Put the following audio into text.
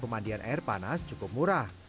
pemandian air panas cukup murah